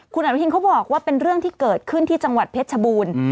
คุณอนุทินเขาบอกว่าเป็นเรื่องที่เกิดขึ้นที่จังหวัดเพชรชบูรณ์